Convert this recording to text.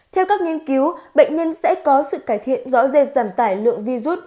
theo các nghiên cứu bệnh nhân sẽ có sự cải thiện rõ rệt giảm tải lượng virus